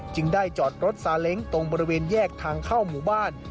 ได้จอดรถซาเล้งตรงบริเวณแยกทางเข้าหมู่บ้าน